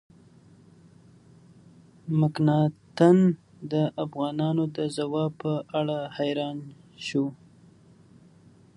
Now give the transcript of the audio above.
مکناتن د افغانانو د ځواک په اړه حیران شو.